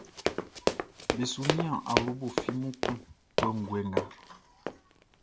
Be su nian awlobo flimu kun kɔnguɛ nga.